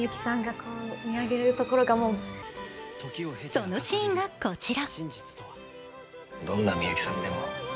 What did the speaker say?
そのシーンがこちら。